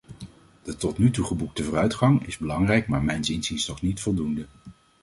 De tot nu geboekte vooruitgang is belangrijk maar mijns inziens nog niet voldoende.